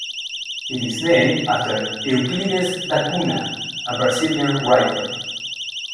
It is named after Euclides da Cunha, a Brazilian writer.